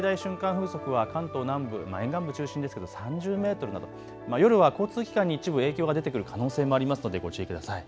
風速は関東南部、沿岸部中心ですが３０メートルなど夜は交通機関に一部影響が出てくる可能性もありますのでご注意ください。